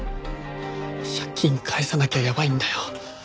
借金返さなきゃやばいんだよ。